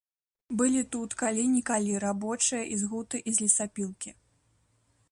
Былі тут калі-нікалі рабочыя і з гуты, і з лесапілкі.